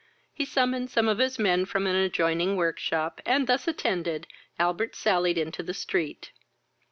He summoned some of his men from an adjoining workshop, and, thus attended, Albert sallied into the street.